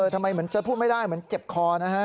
ทำไมเหมือนจะพูดไม่ได้เหมือนเจ็บคอนะฮะ